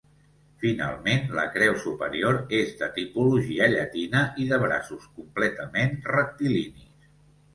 Finalment, la creu superior és de tipologia llatina i de braços completament rectilinis.